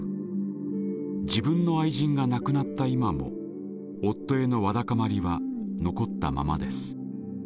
自分の愛人が亡くなった今も夫へのわだかまりは残ったままです。